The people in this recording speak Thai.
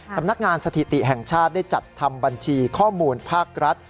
สำนักงานสถิติแห่งชาติได้จัดทำบัญชีข้อมูลภาครัฐ